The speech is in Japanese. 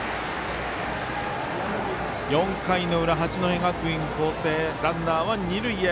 ４回の裏、八戸学院光星ランナーは二塁へ。